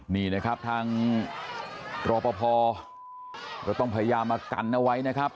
นี่นะครับทางรอปภก็ต้องพยายามมากันเอาไว้นะครับ